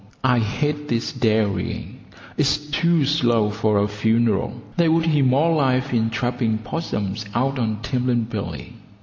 I hate this dairying, it's too slow for a funeral: there would be more life in trapping 'possums out on Timlinbilly.